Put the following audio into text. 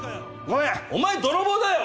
お前泥棒だよ！